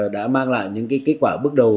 đã mang lại những kết quả bước đầu